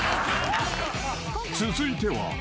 ［続いては］